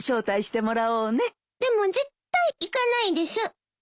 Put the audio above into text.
でも絶対行かないです。